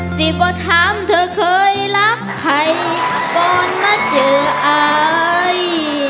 สิว่าถามเธอเคยรักใครก่อนมาเจออาย